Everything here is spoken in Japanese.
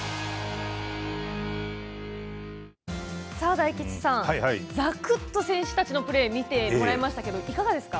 大吉さん、ざくっと選手たちのプレーを見てもらいましたけどいかがですか？